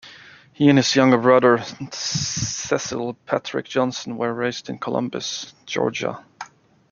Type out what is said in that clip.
He and his younger brother, Cecil Patrick Johnson, were raised in Columbus, Georgia.